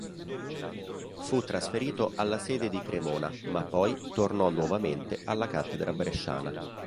Fu trasferito alla sede di Cremona, ma poi tornò nuovamente alla cattedra bresciana.